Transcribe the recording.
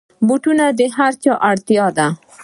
بوټونه د هرچا اړتیا ده.